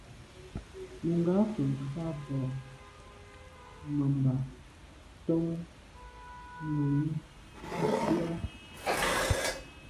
Nùgà fə̀ mfá bɔ̀ mə̀mbâ ntɔ́n Nùmí á sʉ́ á’.